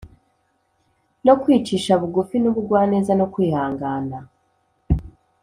no kwicisha bugufi n’ubugwaneza no kwihangana